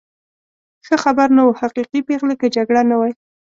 ښه خبر نه و، حقیقي پېغلې، که جګړه نه وای.